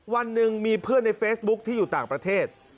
วันหนึ่งมีเพื่อนในเฟซบุ๊คที่อยู่ต่างประเทศ